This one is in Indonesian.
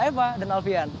eva dan alfian